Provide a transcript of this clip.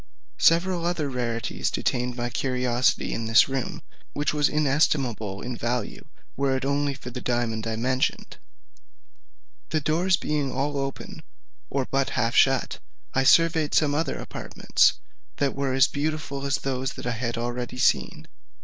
Several other rarities detained my curiosity in this room, which was inestimable in value, were it only for the diamond I mentioned. The doors being all open, or but half shut, I surveyed some other apartments, that were as beautiful as those I had already seen.